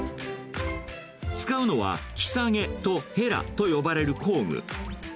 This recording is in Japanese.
使うのはキサゲとヘラと呼ばれる工具。